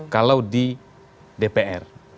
kalau di dpr